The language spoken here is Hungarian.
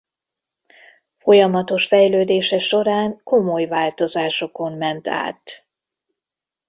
Folyamatos fejlődése során komoly változásokon ment át.